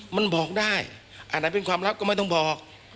มันบอกได้อันไหนเป็นความลับก็ไม่ต้องบอก